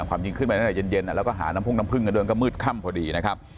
ความจริงขึ้นไปตั้งแต่เย็นแล้วก็หาน้ำพ่งน้ำพึ่งกันด้วยก็มืดค่ำพอดีนะครับ